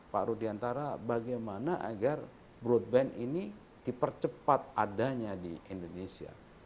pak rudiantara bagaimana agar broadband ini dipercepat adanya di indonesia